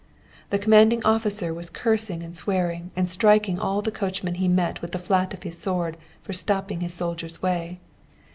The commanding officer was cursing and swearing, and striking all the coachmen he met with the flat of his sword for stopping his soldiers' way.